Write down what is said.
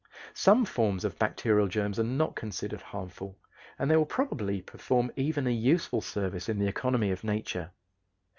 Some forms of bacterial germs are not considered harmful, and they probably perform even a useful service in the economy of nature.